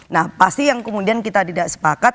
nah pasti yang kemudian kita tidak sepakat